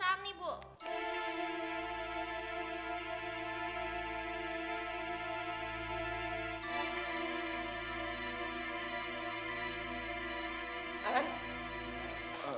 tidak tidak pump apapun